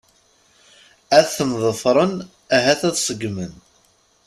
Ad ten-ḍefren ahat ad tseggem.